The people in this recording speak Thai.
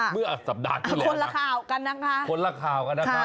วิ่งอ่ะสัปดาห์ที่เหรอแต่คนละค่าวกันนะครับ